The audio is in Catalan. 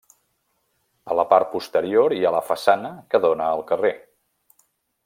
A la part posterior hi ha la façana que dóna al carrer.